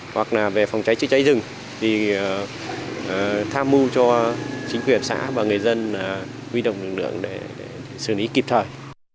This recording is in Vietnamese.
hoặc là về phòng cháy chữa cháy rừng thì tham mưu cho chính quyền xã và người dân huy động lực lượng để xử lý kịp thời